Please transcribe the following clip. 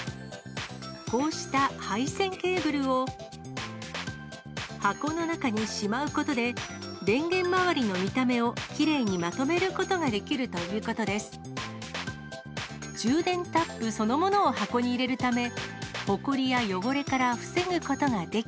こうした配線ケーブルを箱の中にしまうことで、電源周りの見た目をきれいにまとめることができるということです。